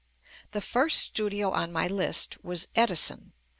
The first studio on my list was "Edison."